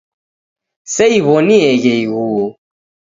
Seiw'onieghe iguo.